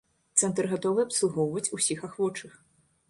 Цэнтр гатовы абслугоўваць усіх ахвочых.